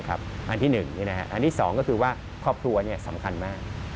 อันที่๑อันที่๒ก็คือว่าครอบครัวสำคัญมาก